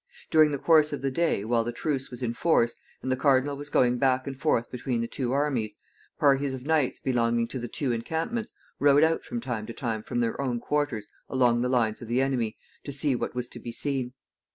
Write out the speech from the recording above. During the course of the day, while the truce was in force, and the cardinal was going back and forth between the two armies, parties of knights belonging to the two encampments rode out from time to time from their own quarters along the lines of the enemy, to see what was to be seen.